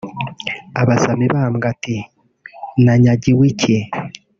Abaza Mibambwe ati "Nanyagiwe iki